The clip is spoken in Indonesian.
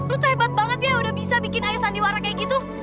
lu tuh hebat banget ya udah bisa bikin ayo sandiwara kayak gitu